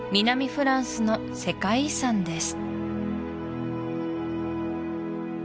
フランスの世界遺産です